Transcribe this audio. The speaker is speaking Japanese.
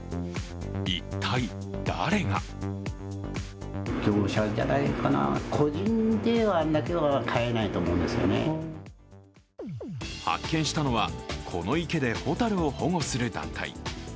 一体誰が発見したのは、この池で蛍を保護する団体。